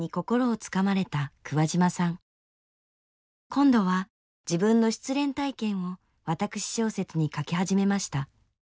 今度は自分の失恋体験を私小説に書き始めました。